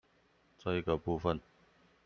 這一個部分